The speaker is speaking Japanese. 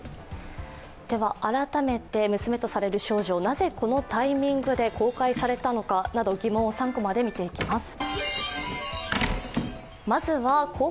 改めて娘とされる少女、なぜこのタイミングで公開されたのかなど疑問を３コマで見ていきます。